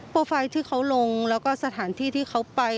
ไฟล์ที่เขาลงแล้วก็สถานที่ที่เขาไป